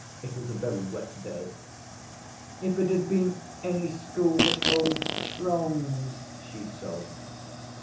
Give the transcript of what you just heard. It was a very wet day. 'If it had been any school but old Strong's,' she sobbed.